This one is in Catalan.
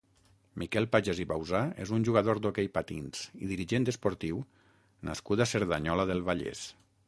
Miquel Pagès i Bauzà és un jugador d'hoquei patins i dirigent esportiu nascut a Cerdanyola del Vallès.